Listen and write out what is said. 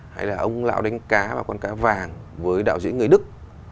hay là ông lão đánh cá và con cá vàng với đạo diễn người đức